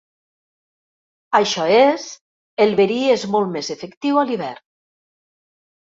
Això és, el verí és molt més efectiu a l'hivern.